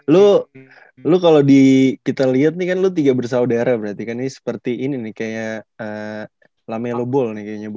lu lu kalau di kita liat nih kan lu tiga bersaudara berarti kan ini seperti ini nih kayak lame lo bol nih kayaknya boyo